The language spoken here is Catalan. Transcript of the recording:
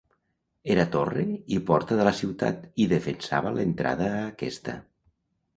Era torre i porta de la ciutat i defensava l'entrada a aquesta.